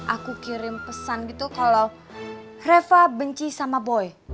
aku kirim pesan gitu kalau reva benci sama boy